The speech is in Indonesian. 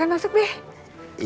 karena ini ibu ragu